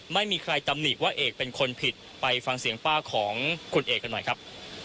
ไม่มีใครตำหนิว่าเอกเป็นคนผิดไปฟังเสียงป้าของคุณเอกกันหน่อยครับ